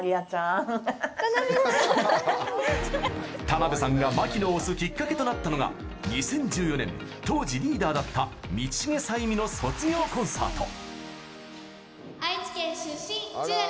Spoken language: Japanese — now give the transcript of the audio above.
田辺さんが牧野を推すきっかけとなったのが２０１４年、当時リーダーだった道重さゆみの卒業コンサート。